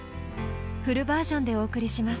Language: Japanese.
フルバージョンでお送りします。